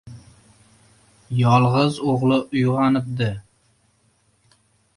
Yolg‘iz o‘g‘li uyg‘onibdi!